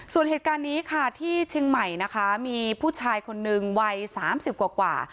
ส่วนเหตุการณ์นี้ค่ะที่เชียงใหม่นะคะมีผู้ชายคนนึงวัย๓๐กว่า